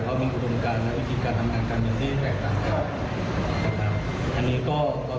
เพราะมีงกฎงการและวิธีการทำงานกันอย่างนี้แปลกกัน